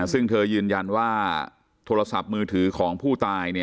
ซึ่งเธอยืนยันว่าโทรศัพท์มือถือของผู้ตาย